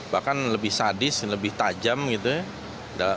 bahkan lebih sadis lebih tajam gitu ya